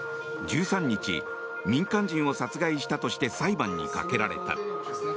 １３日、民間人を殺害したとして裁判にかけられた。